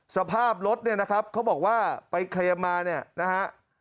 สภาพรถเนี่ยนะครับเขาบอกว่าไปเคลียร์มาเนี่ยนะฮะ